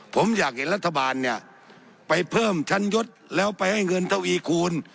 ผมอยากเห็นรัฐบาลเนี่ยไปเพิ่มชั้นยศแล้วไปให้เงินทวีคูณ